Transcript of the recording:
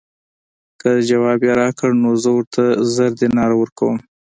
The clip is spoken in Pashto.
که ځواب یې راکړ نو زه ورته زر دیناره ورکووم.